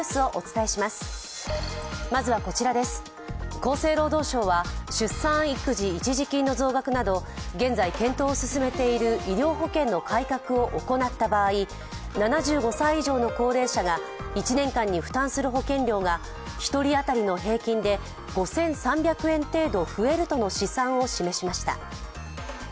厚生労働省は出産育児一時金の増額など現在検討を進めている医療保険の改革を行った場合、７５歳以上の高齢者が１年間に負担する保険料が１人当たりの平均で５３００円程度増えるとの試算を示しました。